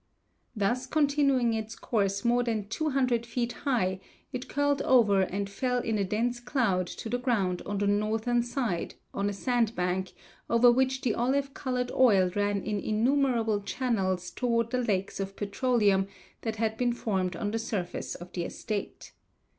Thus continuing its course more than 200 feet high, it curled over and fell in a dense cloud to the ground on the northern side, on a sand bank, over which the olive colored oil ran in innumerable channels toward the lakes of petroleum that had been formed on the surface of the estate.